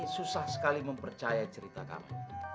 susah sekali mempercaya cerita kamu